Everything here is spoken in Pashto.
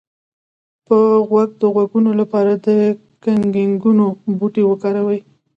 د غوږ د غږونو لپاره د ګینکګو بوټی وکاروئ